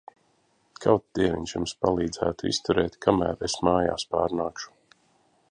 Kaut Dieviņš jums palīdzētu izturēt kamēr es mājās pārnākšu.